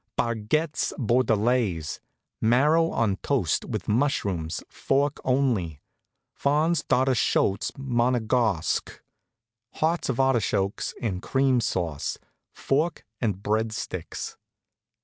"Barquettes Bordellaise (marrow on toast, with mushrooms fork only). "Fonds d'artichauts Monegosque (hearts of artichokes in cream sauce fork and breadsticks)."